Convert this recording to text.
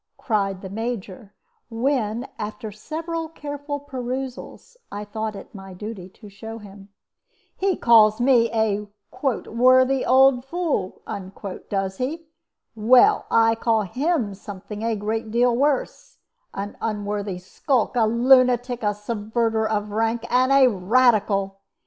cried the Major, when, after several careful perusals, I thought it my duty to show it to him. "He calls me a 'worthy old fool,' does he? Well, I call him something a great deal worse an unworthy skulk, a lunatic, a subverter of rank, and a Radical!